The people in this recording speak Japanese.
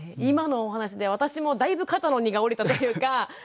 今のお話で私もだいぶ肩の荷が下りたというか。